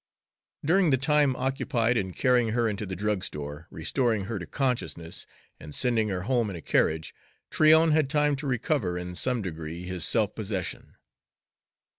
During the time occupied in carrying her into the drugstore, restoring her to consciousness, and sending her home in a carriage, Tryon had time to recover in some degree his self possession.